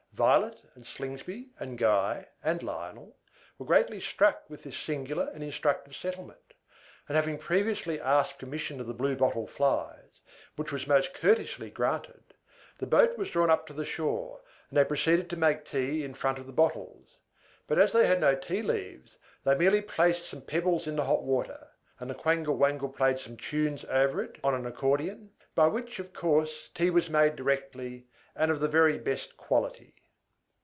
Violet and Slingsby and Guy and Lionel were greatly struck with this singular and instructive settlement; and, having previously asked permission of the Blue Bottle Flies (which was most courteously granted), the boat was drawn up to the shore, and they proceeded to make tea in front of the bottles: but as they had no tea leaves, they merely placed some pebbles in the hot water; and the Quangle Wangle played some tunes over it on an accordion, by which, of course, tea was made directly, and of the very best quality.